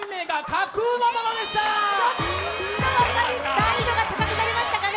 難易度が高くなりましたかね。